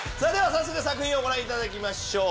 早速作品をご覧いただきましょう。